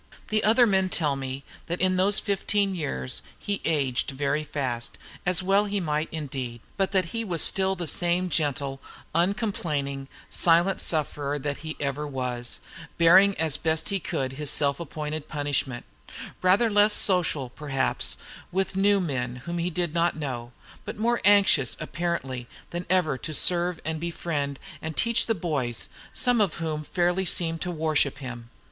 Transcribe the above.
The other men tell me that in those fifteen years he aged very fast, as well he might indeed, but that he was still the same gentle, uncomplaining, silent sufferer that he ever was, bearing as best he could his self appointed punishment, rather less social, perhaps, with new men whom he did not know, but more anxious, apparently, than ever to serve and befriend and teach the boys, some of whom fairly seemed to worship him.